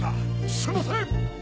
すいません！